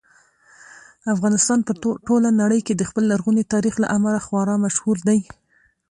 افغانستان په ټوله نړۍ کې د خپل لرغوني تاریخ له امله خورا مشهور دی.